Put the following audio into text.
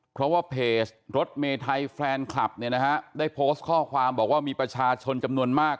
เพราะว่าเพจรถเมไทยแฟนคลับเนี่ยนะฮะได้โพสต์ข้อความบอกว่ามีประชาชนจำนวนมาก